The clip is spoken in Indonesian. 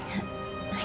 harus berubah bu